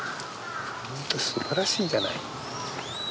本当すばらしいじゃない。